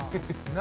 何？